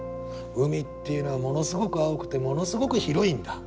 「海っていうのはものすごく青くてものすごく広いんだ」。